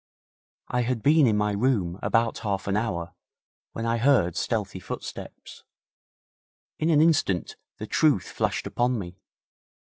I had been in my room about half an hour when I heard stealthy footsteps. In an instant the truth flashed upon me.